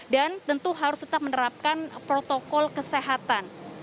dan tentu harus tetap menerapkan protokol kesehatan